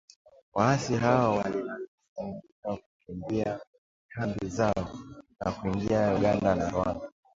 Waasi hao walilazimika kukimbia kambi zao na kuingia Uganda na Rwanda.